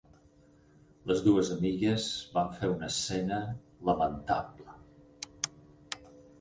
Les dues amigues van fer una escena lamentable.